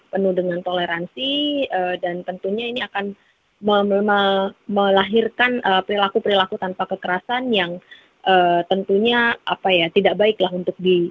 mungkin mbak jessica sebagai penutup ada yang ingin ditambahkan